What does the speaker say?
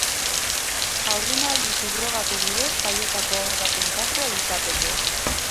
Haurdunaldi subrogatu bidez jaiotako haur baten kasua litzateke.